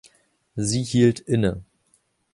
Sie hielt inne.